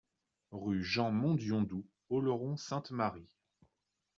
Rue Jean Mendiondou, Oloron-Sainte-Marie